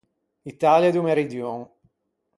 Italia do meridion.